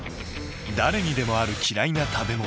誰にでもある嫌いな食べ物。